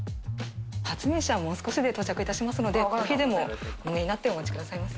発明者はもう少しで到着いたしますので、コーヒーでもお飲みになってお待ちくださいませ。